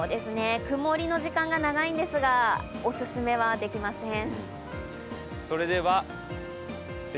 曇りの時間が長いんですがお勧めはできません。